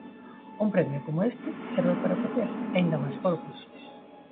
Un premio coma este serve para coller aínda máis folgos.